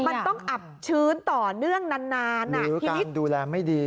มันต้องอับชื้นต่อเนื่องนานดูแลไม่ดี